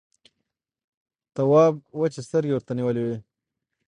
تواب وچې سترګې ورته نيولې وې…